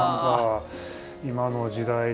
今の時代。